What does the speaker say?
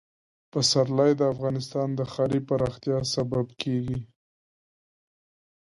پسرلی د افغانستان د ښاري پراختیا سبب کېږي.